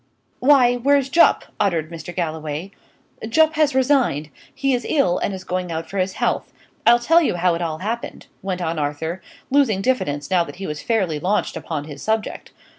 "Why, where's Jupp?" uttered Mr. Galloway. "Jupp has resigned. He is ill, and is going out for his health. I'll tell you how it all happened," went on Arthur, losing diffidence now that he was fairly launched upon his subject.